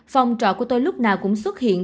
phòng trọ của tôi lúc nào cũng xuất hiện